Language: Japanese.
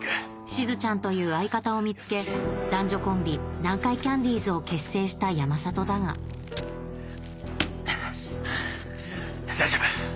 しずちゃんという相方を見つけ男女コンビ南海キャンディーズを結成した山里だが大丈夫。